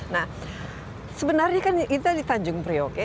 nah sebenarnya kan kita di tanjung priok ya